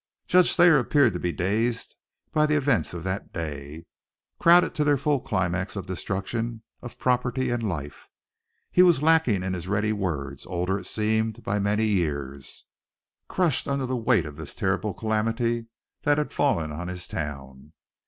Judge Thayer appeared to be dazed by the events of that day, crowded to their fearful climax of destruction of property and life. He was lacking in his ready words, older, it seemed, by many years, crushed under the weight of this terrible calamity that had fallen on his town.